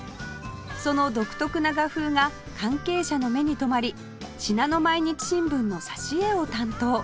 その独特な画風が関係者の目に留まり『信濃毎日新聞』の挿絵を担当